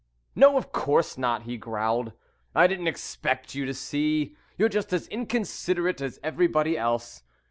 "No, of course not," he growled. "I didn't expect you to see. You're just as inconsiderate as everybody else.